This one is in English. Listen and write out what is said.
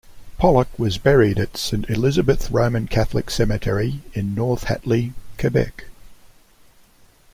Pollock was buried at Ste Elisabeth Roman Catholic Cemetery in North Hatley, Quebec.